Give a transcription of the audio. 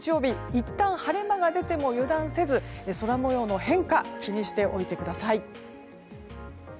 いったん晴れ間が出ても油断せず、空模様の変化気にしておいてください。